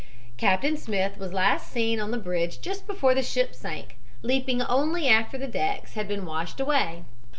"Captain Smith was last seen on the bridge just before the ship sank, leaping only after the decks had been washed away.